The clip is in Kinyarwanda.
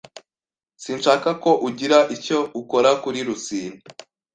Sinshaka ko ugira icyo ukora kuri Rusine.